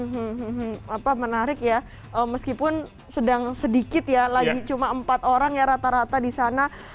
hmm apa menarik ya meskipun sedang sedikit ya lagi cuma empat orang ya rata rata di sana